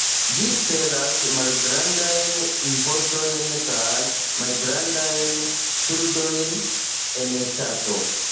Ĝi celas malgrandajn impostojn kaj malgrandajn ŝuldojn en ŝtato.